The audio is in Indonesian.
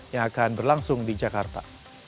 yang akan berlangsung di jakarta